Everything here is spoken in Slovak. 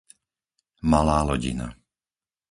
Malá Lodina